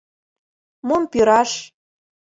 Мом пӱраш —